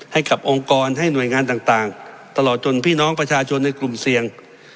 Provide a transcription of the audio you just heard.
ให้กับองค์กรให้หน่วยงานต่างตลอดจนพี่น้องประชาชนในกลุ่มเสี่ยง